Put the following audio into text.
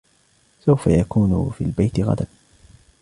سوف يكون في البيت غداً.